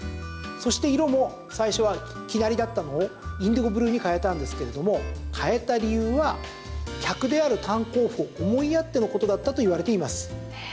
そして色も最初な生成りだったのをインディゴブルーに変えたんですけれども変えた理由は客である炭鉱夫を思いやってのことだったといわれています。